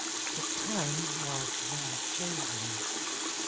The time was well chosen.